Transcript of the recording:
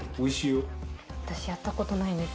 「私やったことないんです」